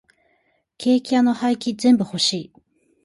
ケーキ屋の廃棄全部欲しい。